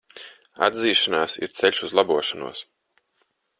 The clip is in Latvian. Atzīšanās ir ceļš uz labošanos.